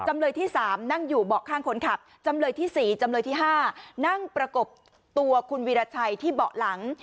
จำเลยที่๓นั่งอยู่เบาะข้างคนขับจำเลยที่๔จำเลยที่๕นั่งประกบตัวคุณวีรชัยที่เบาะหลัง